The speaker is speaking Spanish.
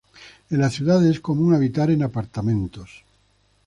En las ciudades es común habitar en apartamentos.